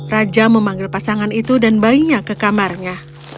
raja memanggil pasangan itu dan bayinya ke kamarnya